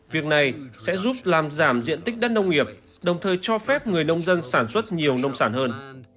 việc này sẽ giúp làm giảm diện tích đất nông nghiệp đồng thời cho phép người nông dân sản xuất nhiều nông sản hơn